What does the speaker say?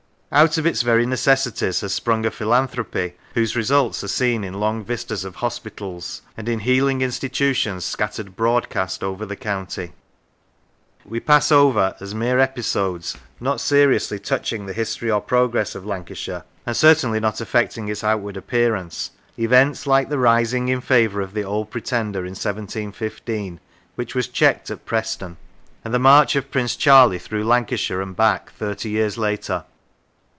Out of its very necessities has sprung a philanthropy whose results are seen in long vistas of hospitals, and in healing in stitutions scattered broadcast over the county. We pass over, as mere episodes, not seriously ^touch 109 Lancashire ing the history or progress of Lancashire, and certainly not affecting its outward appearance, events like the rising in favour of the Old Pretender in 1715, which was checked at Preston; and the march of Prince Charlie through Lancashire and back thirty years later.